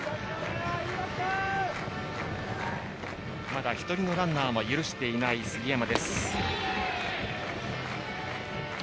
まだ１人のランナーも許していない杉山。